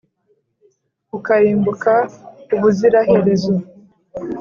ukarimbuka ubuziraherezo!